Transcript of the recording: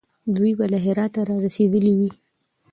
دوی به له هراته را رسېدلي وي.